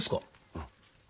うん。